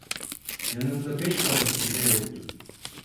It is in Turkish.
Yanında beş parası bile yoktu.